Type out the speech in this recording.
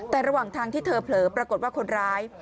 แต่ระหว่างทางที่เธอเผลอปรากฏว่าคนร้าย